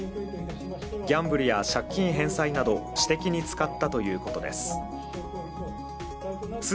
ギャンブルや借金返済など私的に使ったということです。